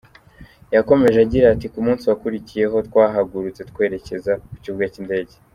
Yakomeje agira ati: “Ku munsi wakurikiye, twahagurutse twerekeza ku kibuga cy’indege.